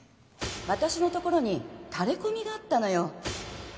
私のところにタレコミがあったのよ